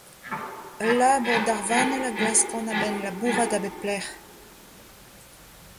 Ul labour darvanel a glaskan a-benn labourat a bep lec'h.